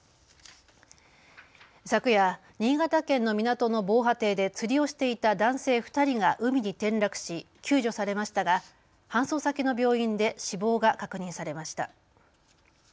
昨夜、新潟県の港の防波堤で釣りをしていた男性２人が海に転落し救助されましたが搬送先の病院で死亡が確認されました。